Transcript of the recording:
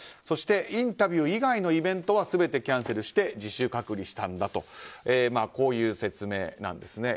そしてインタビュー以外のイベントは全てキャンセルして自主隔離したんだという説明です。